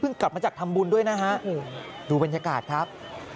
กลับมาจากทำบุญด้วยนะฮะดูบรรยากาศครับ